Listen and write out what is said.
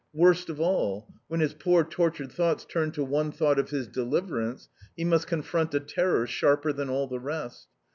Worst of all! When his poor tortured thoughts turn to one thought of his Deliverance, he must confront a terror sharper than all the rest.